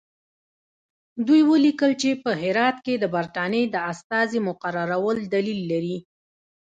دوی ولیکل چې په هرات کې د برټانیې د استازي مقررول دلیل لري.